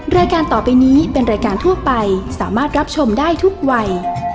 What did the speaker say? รายการต่อไปนี้เป็นรายการทั่วไปสามารถรับชมได้ทุกวัย